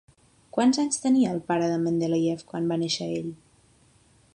Quants anys tenia el pare de Mendeléiev quan va néixer ell?